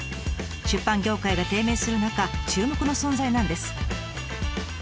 出版業界が低迷する中注目の存在なんです。